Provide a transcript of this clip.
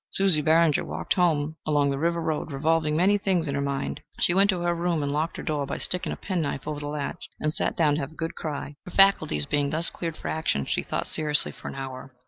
_" Susie Barringer walked home along the river road, revolving many things in her mind. She went to her room and locked her door by sticking a pen knife over the latch, and sat down to have a good cry. Her faculties being thus cleared for action, she thought seriously for an hour.